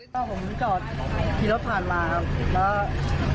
ผมจอดที่เราผ่านมาครับ